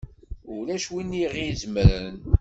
Ulac win i ɣ-izemren!